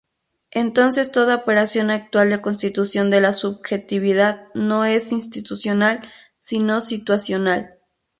Entonces toda operación actual de constitución de la subjetividad no es institucional sino situacional.